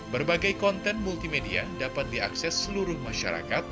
berbagai konten multimedia dapat diakses seluruh masyarakat